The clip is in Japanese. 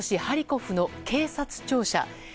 ハリコフの警察庁舎。